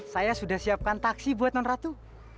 saya sudah siapkan taksi buat non ratu